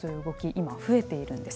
今、増えているんです。